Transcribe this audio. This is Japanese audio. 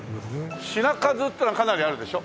品数ってのはかなりあるでしょ？